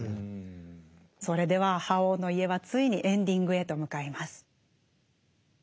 それでは「覇王の家」はついにエンディングへと向かいます。